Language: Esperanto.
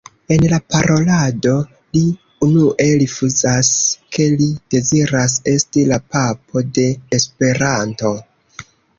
En la parolado li unue rifuzas, ke li deziras esti la Papo de Esperanto.